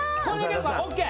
ＯＫ。